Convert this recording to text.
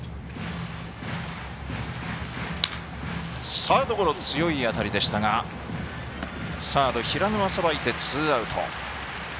サードゴロ、強い当たりでしたがサード平沼さばいてツーアウト。